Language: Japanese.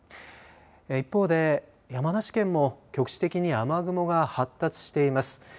一方で山梨県も、局地的に雨雲が発達しています。